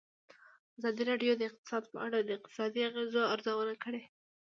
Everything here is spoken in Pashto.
ازادي راډیو د اقتصاد په اړه د اقتصادي اغېزو ارزونه کړې.